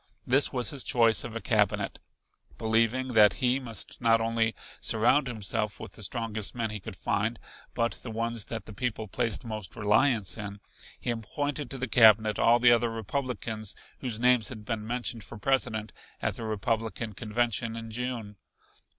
This was his choice of a Cabinet. Believing that he must not only surround himself with the strongest men he could find, but the ones that the people placed most reliance in, he appointed to the Cabinet all the other Republicans whose names had been mentioned for President at the Republican convention in June.